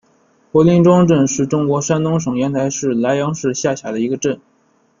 柏林庄镇是中国山东省烟台市莱阳市下辖的一个镇。